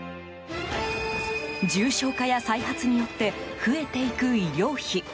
重症化や再発によって増えていく医療費。